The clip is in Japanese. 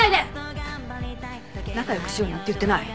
仲良くしようなんて言ってない。